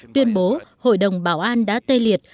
tuyên bố hội đồng bảo an đã tê liệt